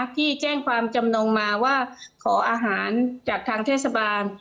ที่แจ้งความจำนงมาว่าขออาหารจากทางเทศบาล